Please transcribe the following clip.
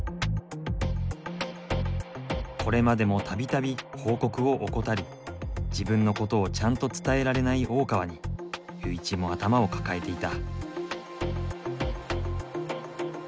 これまでも度々報告を怠り自分のことをちゃんと伝えられない大川にユーイチも頭を抱えていた。